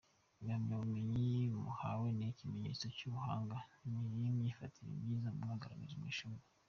Impamyabumenyi muhawe ni ikimenyetso cy’ubuhanga n’imyifatire myiza mwagaragaje mu ishuri.